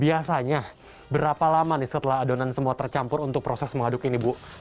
biasanya berapa lama nih setelah adonan semua tercampur untuk proses mengaduk ini bu